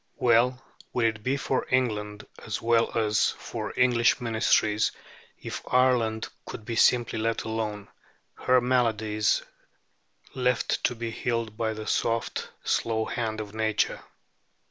Well would it be for England, as well as for English Ministries, if Ireland could be simply let alone, her maladies left to be healed by the soft, slow hand of nature.